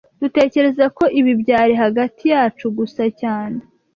Dutekereza ko ibi byari hagati yacu gusa cyane